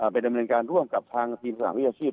เป็นดำเนินการร่วมกับทางทีมสถานวิทยาชีพ